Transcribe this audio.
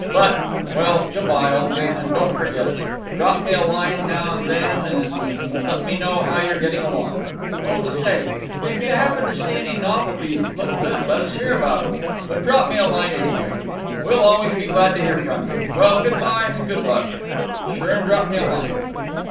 But—Well, good by, old man, and don't forget us. Drop me a line now and then and let me know how you're getting along. Oh say, if you happen to see any novelties that look good let us hear about them. But drop me a line, anyway. We'll always be glad to hear from you. Well, good by and good luck. Sure and drop me a line."